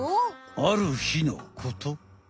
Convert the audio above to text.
あるひのこと。